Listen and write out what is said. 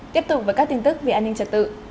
tiếp tục với các tin tức về an ninh trật tự